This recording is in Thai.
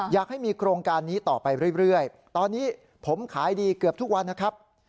อยากให้มีโครงการนี้ต่อไปเรื่อยตอนนี้ผมขายดีเกือบทุกวันนะครับ